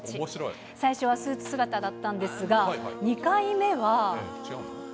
最初はスーツ姿だったんですが、２回目は。